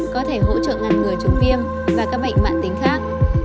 có thể hỗ trợ ngăn ngừa chủng viêm và các bệnh mạng tính khác